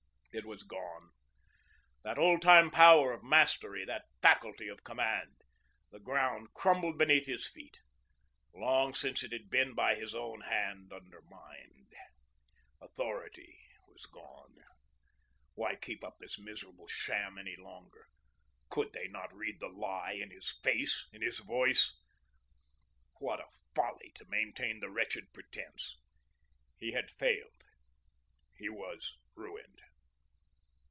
It was gone that old time power of mastery, that faculty of command. The ground crumbled beneath his feet. Long since it had been, by his own hand, undermined. Authority was gone. Why keep up this miserable sham any longer? Could they not read the lie in his face, in his voice? What a folly to maintain the wretched pretence! He had failed. He was ruined.